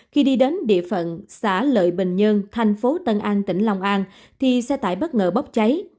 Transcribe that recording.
khi đi đến địa phận xã lợi bình nhân thành phố tân an tỉnh lòng an thì xe tải bất ngờ bóp cháy